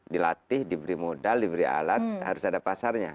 dilatih diberi modal diberi alat harus ada pasarnya